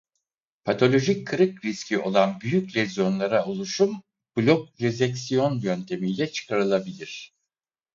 Patolojik kırık riski olan büyük lezyonlara oluşum blok rezeksiyon yöntemiyle çıkarılabilir.